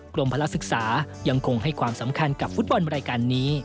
พลักษึกษายังคงให้ความสำคัญกับฟุตบอลรายการนี้